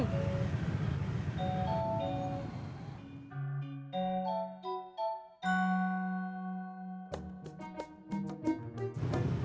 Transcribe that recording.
siapa tau penting